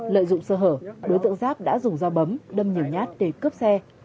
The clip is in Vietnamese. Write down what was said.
lợi dụng sơ hở đối tượng giáp đã dùng dao bấm đâm nhiều nhát để cướp xe